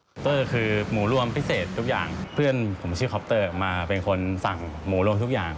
เตอร์คือหมูรวมพิเศษทุกอย่างเพื่อนผมชื่อคอปเตอร์มาเป็นคนสั่งหมูรวมทุกอย่าง